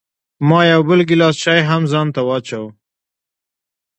ما یو بل ګیلاس چای هم ځان ته واچوه.